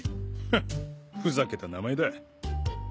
フッふざけた名前だ。